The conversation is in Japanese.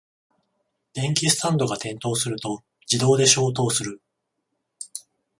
電気スタンドが転倒すると自動で消灯する